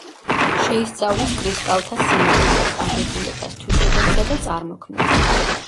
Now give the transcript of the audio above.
შეისწავლის კრისტალთა სიმეტრიას, აგებულებას, თვისებებსა და წარმოქმნას.